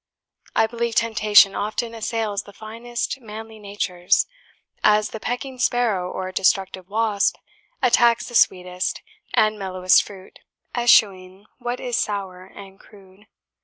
I believe temptation often assails the finest manly natures; as the pecking sparrow or destructive wasp attacks the sweetest and mellowest fruit, eschewing what is sour and crude.